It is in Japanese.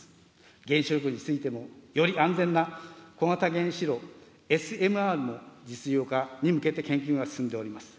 原子力についてもより安全な小型原子炉ＳＭＲの実用化に向けて研究が進んでおります。